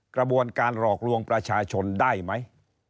กระบวนการหลอกลวงประชาชนได้ไหม